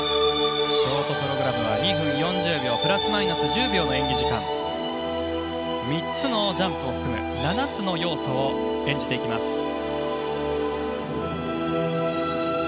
ショートプログラムは２分４０秒プラスマイナス１０秒の演技時間３つのジャンプを含む７つの要素を演じていきます。